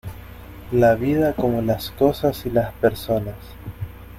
La vida como las cosas y las personas.